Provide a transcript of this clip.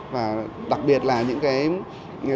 và đặc biệt là những cái mô hình của các bạn